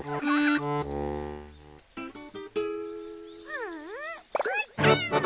ううーたん！